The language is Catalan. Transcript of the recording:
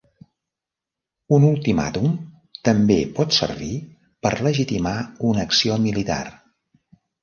Un ultimàtum també pot servir per legitimar una acció militar.